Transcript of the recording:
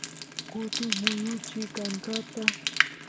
kutis muyuchi kankata